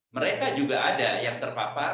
mereka juga ada yang terpapar